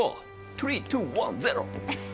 トゥリートゥワンゼロ！